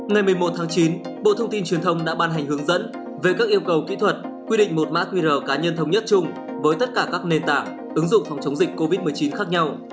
ngày một mươi một tháng chín bộ thông tin truyền thông đã ban hành hướng dẫn về các yêu cầu kỹ thuật quy định một mã qr cá nhân thống nhất chung với tất cả các nền tảng ứng dụng phòng chống dịch covid một mươi chín khác nhau